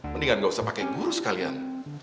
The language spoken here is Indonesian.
mendingan gak usah pakai guru sekalian